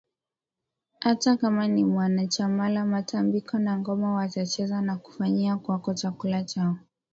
hata kama si mwanachamaIla matambiko na ngoma watacheza na kufanyia kwakoChakula chao